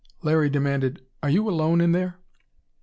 Larry demanded, "Are you alone in there?"